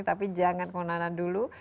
tapi jangan kemana mana dulu